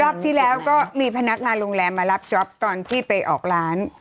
รอบที่แล้วก็มีพนักงานโรงแรมมารับจ๊อปตอนที่ไปออกร้าน